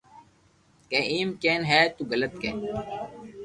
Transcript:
ڪي ايم ڪين ھي ڪي تو غلط ڪي